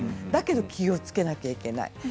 だけど気をつけなきゃいけない。